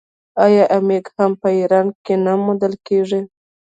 آیا عقیق هم په ایران کې نه موندل کیږي؟